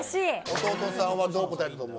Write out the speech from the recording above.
弟さんはどう答えたと思う？